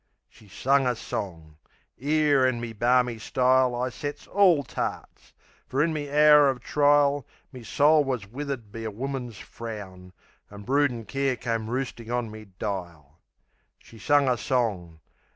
She sung a song....'Ere, in me barmy style, I sets orl tarts; for in me hour o' trile Me soul was withered be a woman's frown, An' broodin' care come roostin' on me dile. She sung a song....